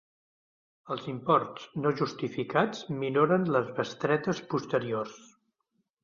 Els imports no justificats minoren les bestretes posteriors.